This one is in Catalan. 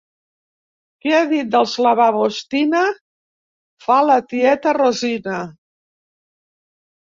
Què ha dit dels lavabos, Tina? —fa la tieta Rosina.